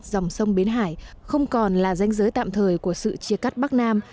dòng sông bến hải không còn là danh giới tạm thời của sự chia cắt bắc nam